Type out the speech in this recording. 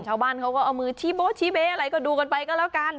ชาวบ้านเขาก็เอามือชี้โบ๊ชี้เบ๊อะไรก็ดูกันไปก็แล้วกัน